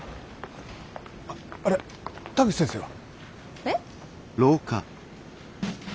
ああれ田口先生は？えっ？